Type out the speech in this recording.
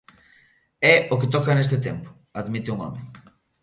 É o que toca neste tempo, admite un home.